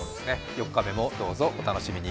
４日目もどうぞお楽しみに！